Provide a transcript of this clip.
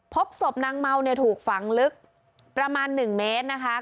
พบสบนางเมาถูกฝังลึกประมาณ๑เมตรนะคะ